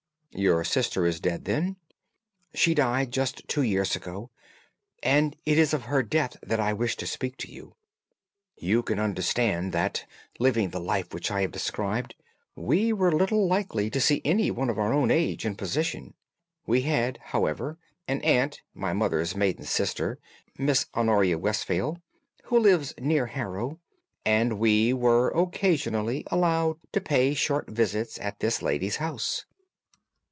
"Your sister is dead, then?" "She died just two years ago, and it is of her death that I wish to speak to you. You can understand that, living the life which I have described, we were little likely to see anyone of our own age and position. We had, however, an aunt, my mother's maiden sister, Miss Honoria Westphail, who lives near Harrow, and we were occasionally allowed to pay short visits at this lady's house.